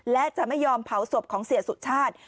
และจะไม่ยอมเผาศพของเสียสุชาติ